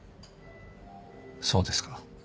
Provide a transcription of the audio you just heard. そうですか。